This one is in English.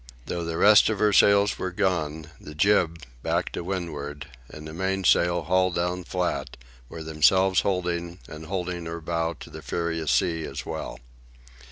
Though the rest of her sails were gone, the jib, backed to windward, and the mainsail hauled down flat, were themselves holding, and holding her bow to the furious sea as well.